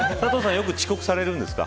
よく遅刻されるんですか。